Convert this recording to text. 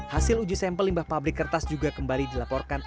hasil uji sampel limbah pabrik kertas juga kembali dilaporkan